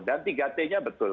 dan tiga t nya betul